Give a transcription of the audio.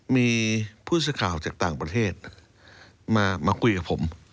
มีผู้สื่อข่าวจากต่างประเทศมาคุยกับผม